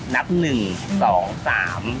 นับหนึ่งสองสาม